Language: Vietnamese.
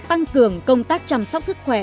tăng cường công tác chăm sóc sức khỏe